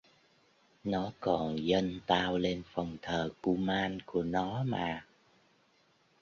Nó còn dân tao lên phòng thờ Kuman của nó mà